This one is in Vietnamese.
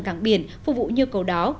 cảng biển phục vụ nhu cầu đó